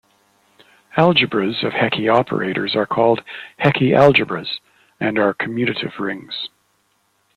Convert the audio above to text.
Algebras of Hecke operators are called Hecke algebras, and are commutative rings.